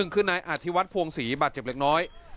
คือนายอธิวัฒนภวงศรีบาดเจ็บเล็กน้อย